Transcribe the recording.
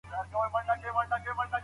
نبوي طب څه شي دی؟